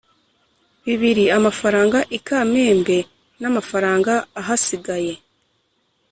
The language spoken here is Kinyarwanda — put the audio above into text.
bibiri amafaranga i Kamembe n amafaranga ahasigaye